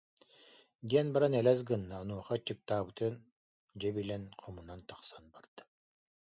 диэн баран элэс гынна, онуоха аччыктаабытын дьэ билэн, хомунан тахсан барда